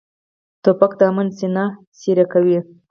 توپک د امن سینه څیرې کوي.